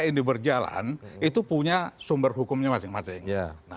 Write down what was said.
artinya tiga lembaga yang diberjalan itu punya sumber hukumnya masing masing